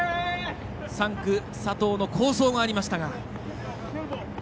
３区、佐藤の好走もありましたが。